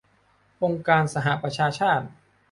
องค์การสหประชาชาติ